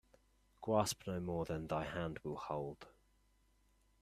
Grasp no more than thy hand will hold